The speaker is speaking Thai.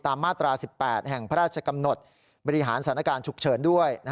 มาตรา๑๘แห่งพระราชกำหนดบริหารสถานการณ์ฉุกเฉินด้วย